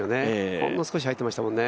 ほんの少し入ってましたもんね。